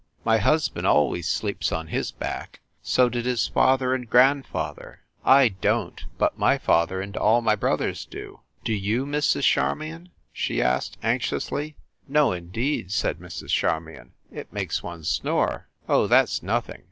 My husband always sleeps on his back; so did his father and grandfather. I don t, but my father and all my brothers do. Do you, Mrs. Charmion?" she asked anxiously. "No, indeed," said Mrs. Charmion. "It makes one snore." "Oh, that s nothing!